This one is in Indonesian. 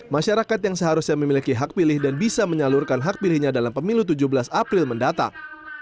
masyarakat yang seharusnya memiliki hak pilih dan bisa menyalurkan hak pilihnya dalam pemilu tujuh belas april mendatang